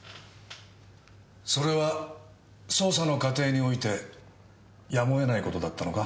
それは捜査の過程においてやむをえない事だったのか？